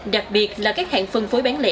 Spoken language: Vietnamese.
đặc biệt là các hãng phân phối bán lễ